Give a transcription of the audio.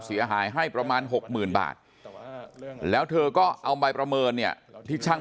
เสียหายให้ประมาณหกหมื่นบาทแล้วเธอก็เอาใบประเมินเนี่ยที่ช่าง